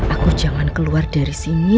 aku jangan keluar dari sini